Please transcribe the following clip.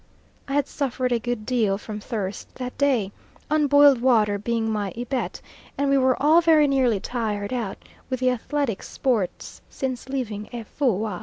I had suffered a good deal from thirst that day, unboiled water being my ibet and we were all very nearly tired out with the athletic sports since leaving Efoua.